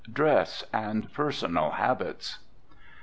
Dress and Personal Habits.